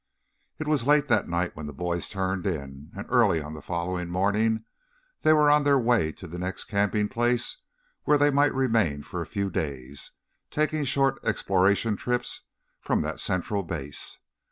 It was late that night when the boys turned in, and early on the following morning they were on their way to the next camping place where they might remain for a few days, taking short exploration trips from that central base.